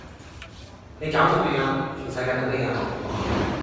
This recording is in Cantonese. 你搞惦未呀？全世界等你呀